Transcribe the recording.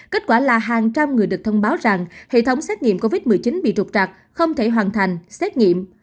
kết quả là hàng trăm người được thông báo rằng hệ thống xét nghiệm covid một mươi chín bị trục trạc không thể hoàn thành xét nghiệm